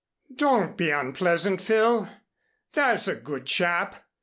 "Don't be unpleasant, Phil, there's a good chap.